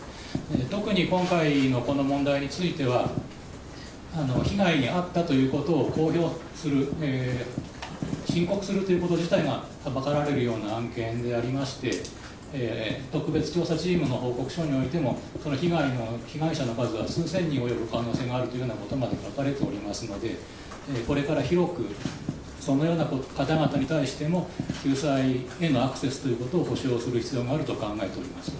特に今回のこの問題については、被害に遭ったということを公表する、申告するということ自体がはばかられるような案件でありまして、特別調査チームの報告書においても、その被害の、被害者の数は数千に及ぶ可能性があるということまで書かれておりますので、これから広くそのような方々に対しても、救済へのアクセスということを保証する必要があると考えております。